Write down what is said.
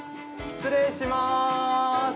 失礼しまーす。